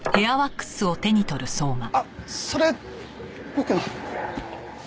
あっそれ僕の。